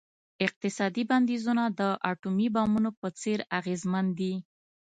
اقتصادي بندیزونه د اټومي بمونو په څیر اغیزمن دي.